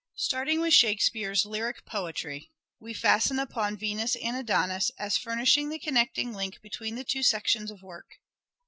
Starting with Shakespeare's lyric poetry, we fastened upon " Venus and Adonis " as furnishing the connecting link between the two sections of work.